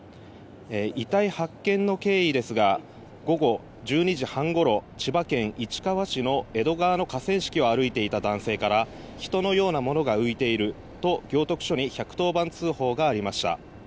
遺体発見の経緯ですが午後１２時半ごろ千葉県市川市の江戸川の河川敷を歩いていた男性から人のようなものが浮いていると行徳署に１１０番通報がありました。